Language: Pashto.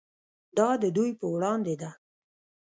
دا د دوی په وړاندې ده.